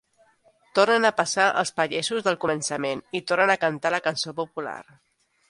Tornen a passar els pagesos del començament, i tornen a cantar la cançó popular.